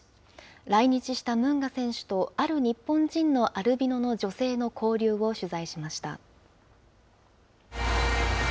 来日したムンガ選手と、ある日本人のアルビノの女性の交流を取材しました。